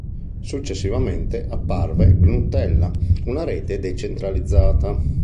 Successivamente apparve Gnutella, una rete decentralizzata.